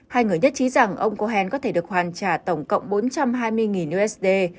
hai người nhất trí rằng ông cohen có thể được hoàn trả tổng cộng bốn trăm hai mươi usd